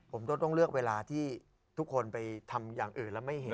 ผมต้องเลือกเวลาที่ทุกคนไปทำอย่างอื่นแล้วไม่เห็น